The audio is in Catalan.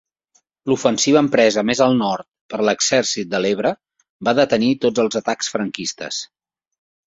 L'ofensiva empresa més al nord per l'Exèrcit de l'Ebre va detenir tots els atacs franquistes.